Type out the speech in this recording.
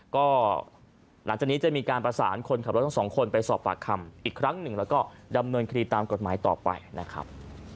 ก็หลังจากนี้จะมีการประสานคนขับรถทั้งสองคนไปสอบปากคำอีกครั้งหนึ่งแล้วก็ดำเนินคดีตามกฎหมายต่อไปนะครับ